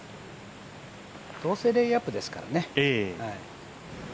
どうせレイアップですからね。